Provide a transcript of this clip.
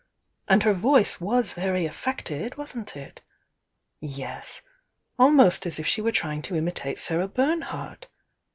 And her voice was very affected, wasn't it? Yes! almost as if she were trying to imitate Sarah Bernhardt!